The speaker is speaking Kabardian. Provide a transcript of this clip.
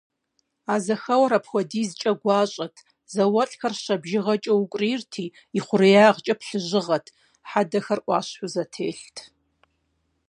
А зэхэуэр апхуэдизкӏэ гуащӏэт, зауэлӏхэр щэ бжыгъэкӏэ укӏурийрти, ихъуреягъкӏэ плъыжьыгъэт, хьэдэхэр ӏуащхьэу зэтелът.